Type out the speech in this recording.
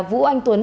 vũ anh tuấn